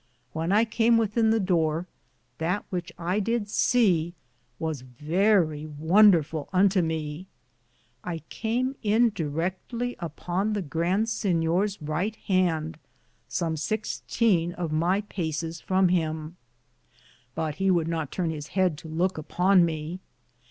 When I came within the Dore, That which I did se was verrie wonderfuU unto me. I cam in direcktly upon the Grand Sinyore's ryghte hande, som 16 of my passis (paces) from him, but he would not turne his head to louke upon me.